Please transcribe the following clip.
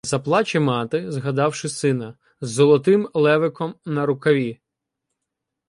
Заплаче мати, згадавши сина. З "золотим левиком" на рукаві.